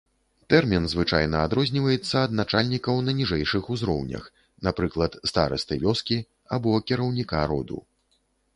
Тэрмін звычайна адрозніваецца ад начальнікаў на ніжэйшых узроўнях, напрыклад, старасты вёскі або кіраўніка роду.